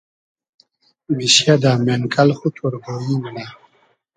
میشیۂ دۂ مېنکئل خو تۉرگۉیی مونۂ